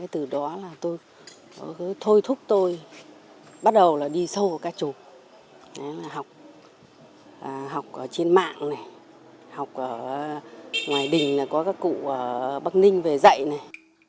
từ đó là tôi thôi thúc tôi bắt đầu là đi sâu vào ca trù học trên mạng này học ở ngoài đình này có các cụ bắc ninh về dạy này